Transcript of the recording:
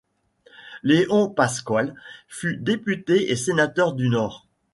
Léon Pasqual fut député et sénateur du Nord.